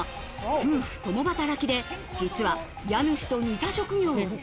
夫婦共働きで、実は家主と似た職業。